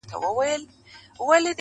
ښاغلی محمد صدیق پسرلي,